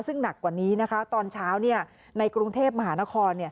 ซึ่งหนักกว่านี้นะคะตอนเช้าในกรุงเทพมหานคร